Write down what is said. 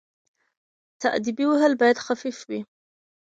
تاديبي وهل باید خفيف وي.